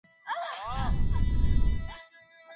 آزادي د هر انسان طبیعي حق دی.